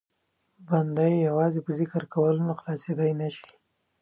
بنده یې یوازې په ذکر کولو خلاصېدای نه شي.